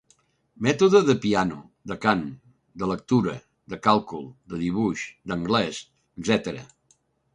Mètode de piano, de cant, de lectura, de càlcul, de dibuix, d'anglès, etc.